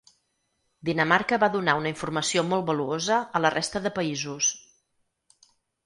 Dinamarca va donar una informació molt valuosa a la resta de països.